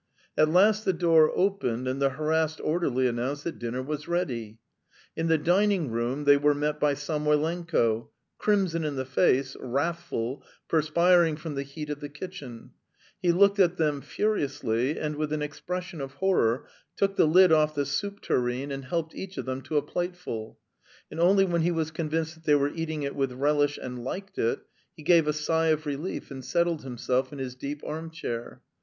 At last the door opened and the harassed orderly announced that dinner was ready! In the dining room they were met by Samoylenko, crimson in the face, wrathful, perspiring from the heat of the kitchen; he looked at them furiously, and with an expression of horror, took the lid off the soup tureen and helped each of them to a plateful; and only when he was convinced that they were eating it with relish and liked it, he gave a sigh of relief and settled himself in his deep arm chair.